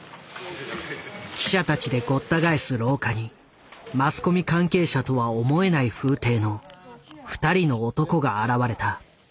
記者たちでごった返す廊下にマスコミ関係者とは思えない風体の２人の男が現れた。